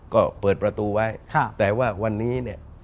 ก็เปิดประตูไว้แต่ว่าวันนี้เนี่ย